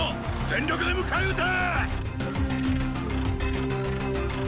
全力で迎え討て！